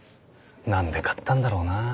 何で買ったんだろうなあ。